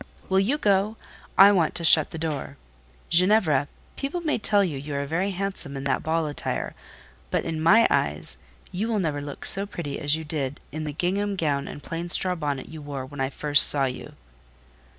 "Will you go? I want to shut the door…. Ginevra, people may tell you you are very handsome in that ball attire; but, in my eyes, you will never look so pretty as you did in the gingham gown and plain straw bonnet you wore when I first saw you."